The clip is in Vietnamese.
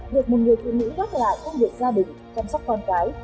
được một người phụ nữ góp lại công việc gia đình chăm sóc con cái